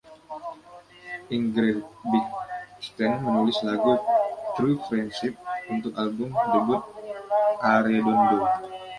Ingebrigtsen menulis lagu "True Friendship" untuk album debut Arredondo.